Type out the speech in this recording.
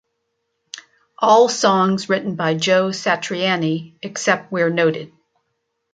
All songs written by Joe Satriani, except where noted.